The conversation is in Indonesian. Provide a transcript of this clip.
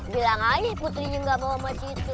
bilang aja putrinya nggak mau sama situ